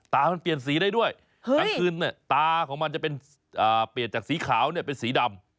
ตามันเปลี่ยนสีได้ด้วยกลางคืนตาของมันจะเป็นเปลี่ยนจากสีขาวเนี่ยเป็นสีดำ